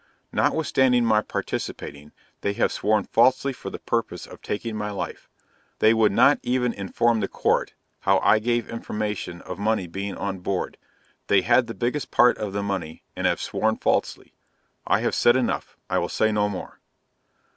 Notwithstanding my participating, they have sworn falsely for the purpose of taking my life; they would not even inform the Court, how I gave information of money being on board; they had the biggest part of the money, and have sworn falsely. I have said enough. I will say no more.